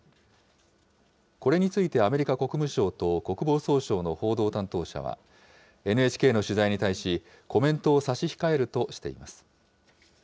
これについてアメリカ国務省と国防総省の報道担当者は、ＮＨＫの取材に対し、コメントを差し控えるとしています。